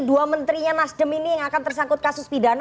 dua menterinya nasdem ini yang akan tersangkut kasus pidana